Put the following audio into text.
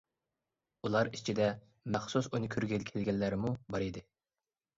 ئۇلار ئىچىدە مەخسۇس ئۇنى كۆرگىلى كەلگەنلەرمۇ بار ئىدى.